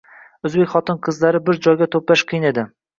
O’zbek xotin-qizlarini bir joyga to‘plash qiyin edi.